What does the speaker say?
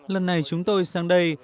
lần này chúng tôi sang đây